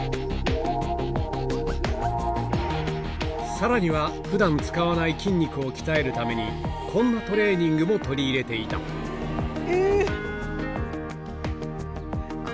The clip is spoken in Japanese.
さらには普段使わない筋肉を鍛えるためにこんなトレーニングも取り入れていたえ！